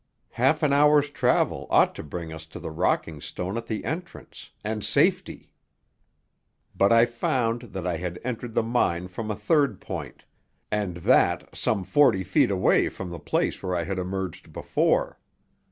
Half an hour's travel ought to bring us to the rocking stone at the entrance, and safety. But I found that I had entered the mine from a third point, and that some forty feet away from the place where I had emerged before.